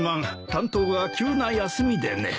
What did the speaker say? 担当が急な休みでね。